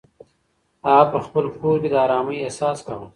هغه په خپل کور کې د ارامۍ احساس کاوه.